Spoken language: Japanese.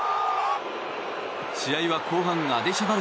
試合は後半アディショナル